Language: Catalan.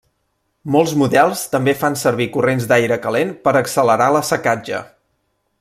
Molts models també fan servir corrents d'aire calent per accelerar l'assecatge.